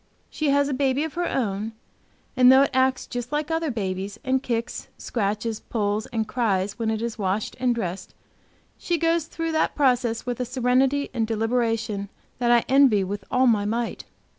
She has a baby of her own, and though it acts just like other babies and kicks, scratches, pulls and cries when it is washed and dressed, she goes through that process with a serenity and deliberation that I envy with all my might.